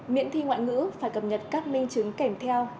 miễn thi ngoại ngữ phải cập nhật các minh chứng kèm theo